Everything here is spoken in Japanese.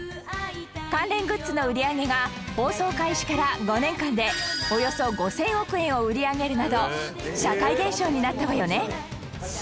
関連グッズの売り上げが放送開始から５年間でおよそ５０００億円を売り上げるなど社会現象になったわよね